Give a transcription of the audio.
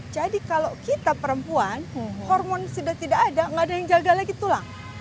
jadi kalau kita perempuan hormon sudah tidak ada tidak ada yang jaga lagi tulang